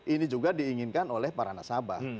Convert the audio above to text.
ini juga diinginkan oleh para nasabah